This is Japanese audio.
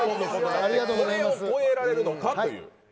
これを超えられるのかという。